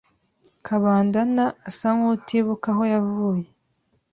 Kabandana asa nkutibuka aho yavuye .